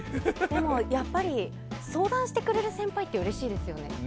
でも、やっぱり相談してくれる先輩ってうれしいですよね。